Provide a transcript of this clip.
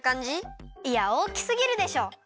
いやおおきすぎるでしょ！